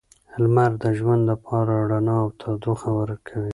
لمر د ژوند لپاره رڼا او تودوخه ورکوي.